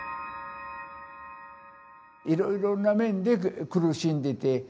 いろいろな面で苦しんでて。